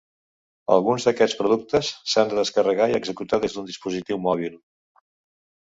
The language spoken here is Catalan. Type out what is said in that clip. Alguns d'aquests productes s'han de descarregar i executar des d'un dispositiu mòbil.